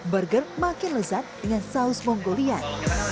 burger makin lezat dengan saus monggolian